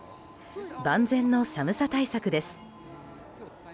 万全の寒さ対策です。